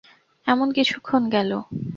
এমন কিছুক্ষণ গেল।